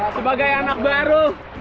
sebagai anak baru